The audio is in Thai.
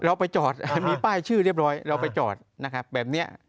เราไปจอดมีป้ายชื่อเรียบร้อยเราไปจอดนะครับแบบนี้